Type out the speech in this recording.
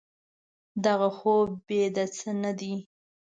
دغه خوب بې د څه نه دی.